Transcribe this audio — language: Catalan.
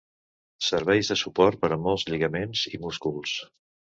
Serveix de suport per a molts lligaments i músculs.